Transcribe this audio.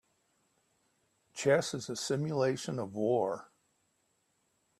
Chess is a simulation of war.